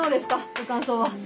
ご感想は？